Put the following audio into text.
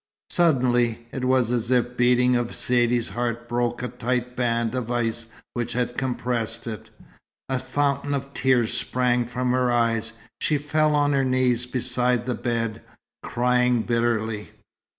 Suddenly, it was as if the beating of Saidee's heart broke a tight band of ice which had compressed it. A fountain of tears sprang from her eyes. She fell on her knees beside the bed, crying bitterly.